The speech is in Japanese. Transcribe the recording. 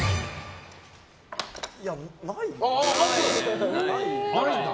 いや、ないな。